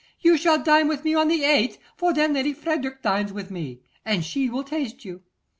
You shall dine with me on the 8th, for then Lady Frederick dines with me, and she will taste you.